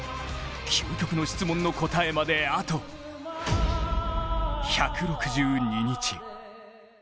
究極の質問の答えまであと１６２日。